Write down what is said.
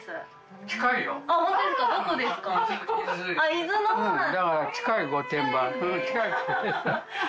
伊豆の方なんだ。